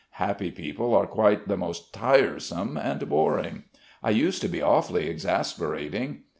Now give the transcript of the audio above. Happy people are quite the most tiresome and boring. I used to be awfully exasperating.